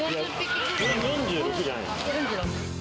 ４６じゃないの。